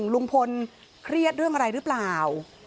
ลุงพลเครียดเรื่องอะไรหรือเปล่า